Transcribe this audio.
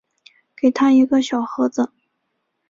给他一个小盒子